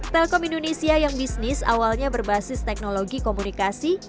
telkom indonesia yang bisnis awalnya berbasis teknologi komunikasi